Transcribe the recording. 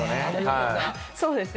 そうですね。